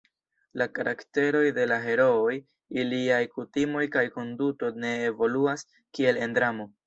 La karakteroj de la herooj, iliaj kutimoj kaj konduto ne evoluas kiel en dramo.